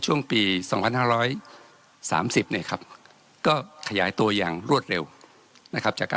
ช่วงปี๒๕๓๐เนี่ยครับก็ขยายตัวอย่างรวดเร็วนะครับจากการ